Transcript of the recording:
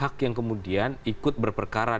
ada lima pihak yang kemudian ikut berperkataan